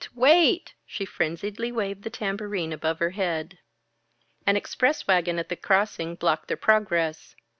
Wait!" She frenziedly waved the tambourine above her head. An express wagon at the crossing blocked their progress.